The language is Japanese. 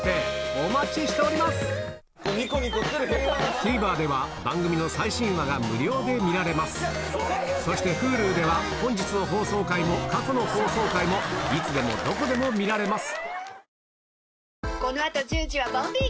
ＴＶｅｒでは番組の最新話が無料で見られますそしてＨｕｌｕでは本日の放送回も過去の放送回もいつでもどこでも見られます